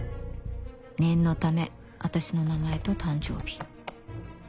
念のため私の名前と誕生日